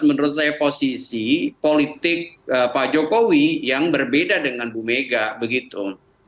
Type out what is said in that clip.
menurut saya posisi politik pak jokowi yang berbeda dengan bu mega begitu